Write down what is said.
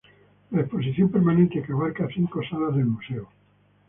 La exposición permanente que abarca cinco salas del museo.